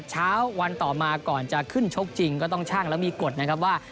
เช้าวันต่อมาก่อนจะขึ้นชกจริงก็ต้องชั่งแล้วมีกฎนะครับว่า